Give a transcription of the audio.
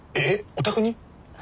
お宅に？